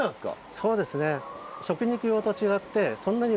そうですね。